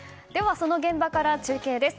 その現場から中継です。